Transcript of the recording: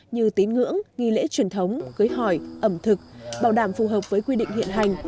như tín ngưỡng nghi lễ truyền thống cưới hỏi ẩm thực bảo đảm phù hợp với quy định hiện hành